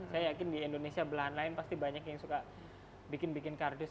saya yakin di indonesia belahan lain pasti banyak yang suka bikin bikin kardus